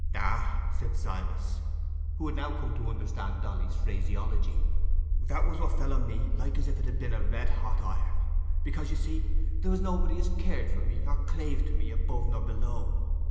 "Ah!" said Silas, who had now come to understand Dolly's phraseology, "that was what fell on me like as if it had been red hot iron; because, you see, there was nobody as cared for me or clave to me above nor below.